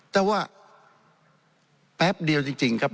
แต่ว่าแป๊บเดียวจริงครับ